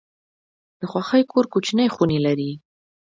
د خوښۍ کور کوچني خونې لري.